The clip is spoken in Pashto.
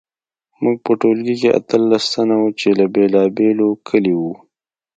موږ په ټولګي کې اتلس تنه وو چې له بیلابیلو کلیو وو